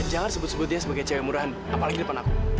jangan sebut sebut dia sebagai cewek murahan apalagi di depan aku